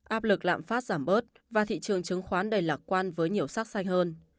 áp lực lạm phát giảm bớt và thị trường chứng khoán đầy lạc quan với nhiều sắc xanh hơn